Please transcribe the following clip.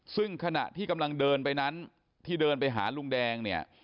ซึ่งขณะที่กำลังเดินไปนั้นที่เดินไปหาลุงแดงเนี่ย